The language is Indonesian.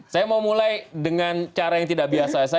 saya mau mulai dengan cara yang tidak biasa